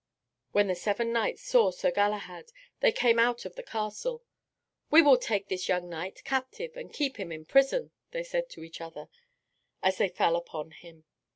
When the seven knights saw Sir Galahad they came out of the castle. "We will take this young knight captive, and keep him in prison," they said to each other, as they fell upon him.